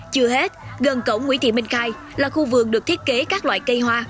chưa hết gần cổng nguyễn thị minh khai là khu vườn được thiết kế các loại cây hoa